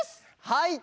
はい！